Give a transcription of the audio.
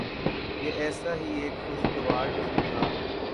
یہ ایسا ہی ایک خوشگوار دن تھا۔